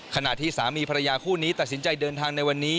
ขณะที่สามีภรรยาคู่นี้ตัดสินใจเดินทางในวันนี้